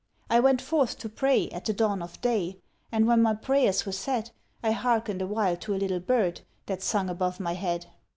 I went forth to pray, at the dawn of day; and when my prayers were said, I hearken'd awhile to a little bird, that sung above my head.'